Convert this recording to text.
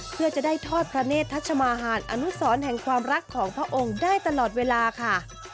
เพื่อจะได้ทอดพระเนธทัชมาหารอนุสรแห่งความรักของพระองค์ได้ตลอดเวลาค่ะ